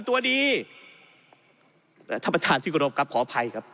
ท่านประธานที่คุณรบครับขออภัยครับ